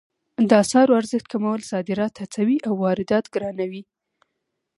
د اسعارو ارزښت کمول صادرات هڅوي او واردات ګرانوي